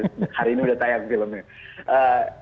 hari ini udah tayang filmnya